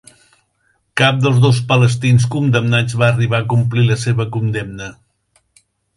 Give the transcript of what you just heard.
Cap dels dos palestins condemnats va arribar a complir la seva condemna.